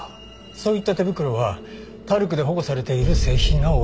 そういった手袋はタルクで保護されている製品が多い。